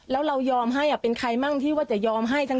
แล้วเรายอมให้เป็นใครมั่งที่ว่าจะยอมให้ทั้ง